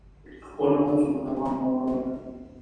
د خپلو هڅو په دوام باور ولرئ.